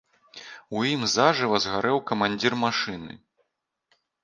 У ім зажыва згарэў камандзір машыны.